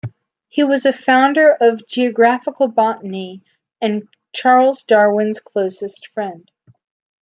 He was a founder of geographical botany and Charles Darwin's closest friend.